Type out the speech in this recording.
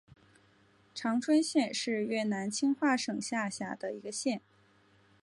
常春县是越南清化省下辖的一个县。